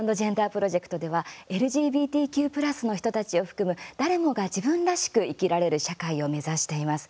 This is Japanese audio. プロジェクトではＬＧＢＴＱ＋の人たちを含む誰もが自分らしく生きられる社会を目指しています。